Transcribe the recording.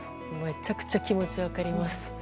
めちゃくちゃ気持ち分かります。